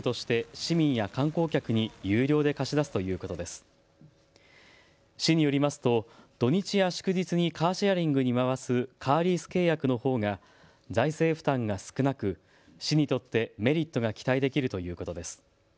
市によりますと土日や祝日にカーシェアリングに回すカーリース契約のほうが財政負担が少なく市にとってメリットが期待できるということです。